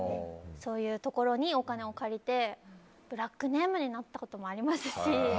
そういうところにお金を借りてブラックネームになったこともありますし。